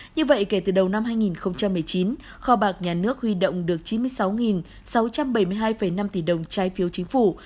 như vậy kể từ đầu năm hai nghìn một mươi chín kho bạc nhà nước huy động được chín mươi sáu sáu trăm bảy mươi hai năm tỷ đồng trái phiếu chính phủ